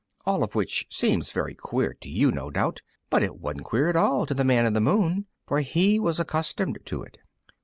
All of which seems very queer to you, no doubt; but it wasn't at all queer to the Man in the Moon, for he was accustomed to it.